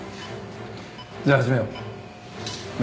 じゃあ始めよう。